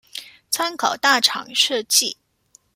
參考大廠設計